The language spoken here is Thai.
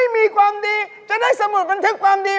ดีความดีจะได้สมุทรมานถึงความดี